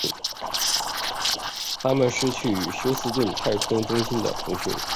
他们失去与休斯顿太空中心的通讯。